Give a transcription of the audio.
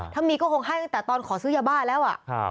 ถ้ามีก็คงให้ตั้งแต่ตอนขอซื้อยาบ้าแล้ว